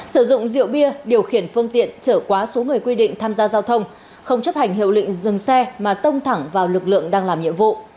sử dụng rượu bia điều khiển phương tiện trở quá số người quy định tham gia giao thông không chấp hành hiệu lịnh dừng xe mà tông thẳng vào lực lượng đang làm nhiệm vụ